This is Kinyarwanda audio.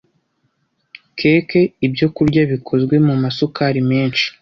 Keke, ibyokurya bikozwe mu masukari menshi,